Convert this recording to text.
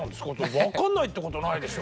分かんないってことないでしょ。